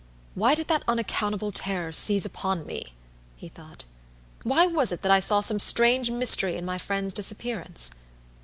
"Why did that unaccountable terror seize upon me," he thought. "Why was it that I saw some strange mystery in my friend's disappearance?